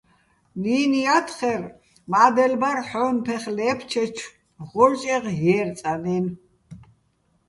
ნინო̆ ჲათხერ: მა́დელ ბარ ჰ̦ო́ჼ ფეხ ლე́ფჩეჩო̆ ღო́ჭეღ ჲე́რწანაჲნო̆.